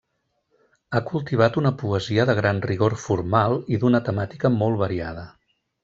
Ha cultivat una poesia de gran rigor formal i d’una temàtica molt variada.